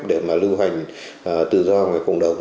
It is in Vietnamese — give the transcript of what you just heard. để mà lưu hành tự do ngoài cộng đồng